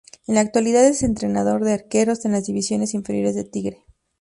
En la actualidad es entrenador de arqueros en las divisiones inferiores de Tigre.